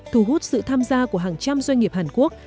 thu hút sự tham gia của hàng trăm doanh nghiệp hàn quốc